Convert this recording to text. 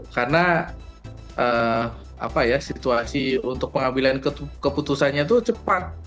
karena situasi untuk pengambilan keputusannya itu cepat